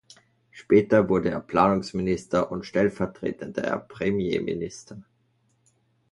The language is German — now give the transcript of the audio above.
Später wurde er Planungsminister und stellvertretender Premierminister.